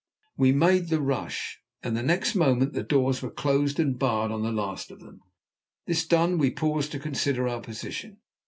We made the rush, and next moment the doors were closed and barred on the last of them. This done, we paused to consider our position.